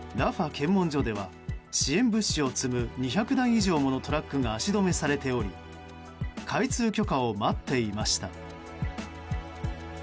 検問所では支援物資を積む２００台以上ものトラックが足止めされており開通許可を待っていました。